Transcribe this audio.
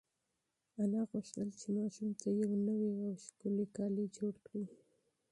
انا غوښتل چې ماشوم ته یو نوی او ښکلی کالي جوړ کړي.